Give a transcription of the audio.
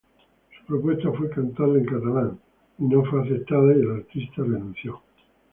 Su propuesta de cantarla en catalán no fue aceptada y el artista renunció.